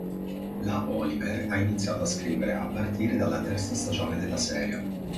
La Oliver ha iniziato a scrivere a partire dalla terza stagione della serie.